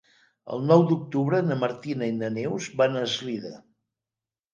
El nou d'octubre na Martina i na Neus van a Eslida.